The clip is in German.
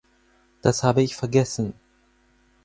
Das habe ich vergessen.